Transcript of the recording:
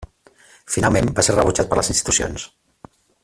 Finalment, va ser rebutjat per les institucions.